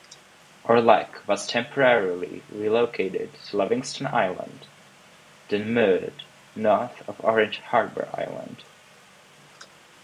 "Orleck" was temporarily relocated to Levingston Island, then moored north of Orange Harbor Island.